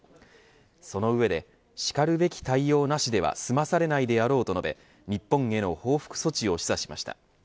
その上で、しかるべき対応なしでは済まされないであろうと述べ日本への報復措置を示唆しました。